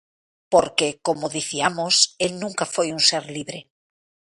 Porque, como diciamos, el nunca foi un ser libre.